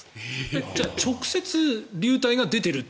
じゃあ直接流体が出ている？